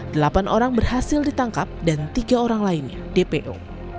delapan orang berhasil ditangkap dan tiga orang lainnya dpo